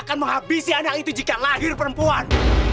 kalau anak ini lahir perempuan